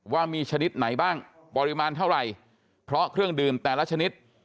ว่ามีชนิดไหนบ้างปริมาณเท่าไหร่เพราะเครื่องดื่มแต่ละชนิด